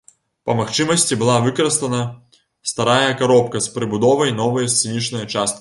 Па магчымасці была выкарыстана старая каробка з прыбудовай новай сцэнічнай часткі.